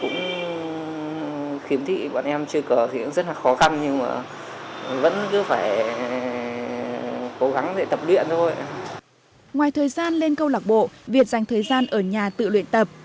ngoài thời gian lên câu lạc bộ việt dành thời gian ở nhà tự luyện tập